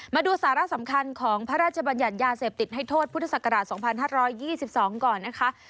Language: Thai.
มาดูสาระสำคัญของพระราชบัญญัติยาเสพติดให้โทษพุทธศักราช๒๕๒๒ก่อนนะคะ